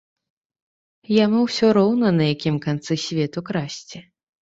Яму ўсё роўна, на якім канцы свету красці.